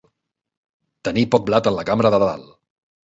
Tenir poc blat en la cambra de dalt.